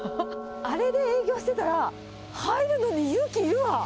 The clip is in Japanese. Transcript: あれで営業してたら、入るのに勇気いるわ。